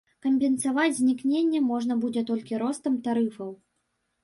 Кампенсаваць знікненне можна будзе толькі ростам тарыфаў.